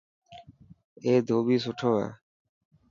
اي ڌوٻي سٺو هي.